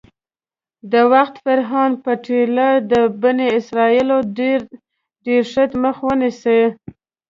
د وخت فرعون وپتېیله چې د بني اسرایلو د ډېرښت مخه ونیسي.